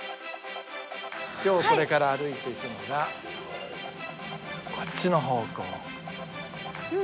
今日これから歩いていくのがこっちの方向。